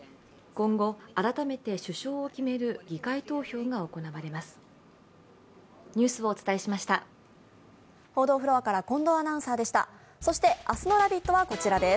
今後、改めて首相を決める議会投票が行われます。